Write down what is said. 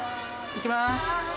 いきます。